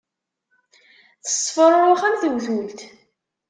Tessefṛuṛux am tewtult.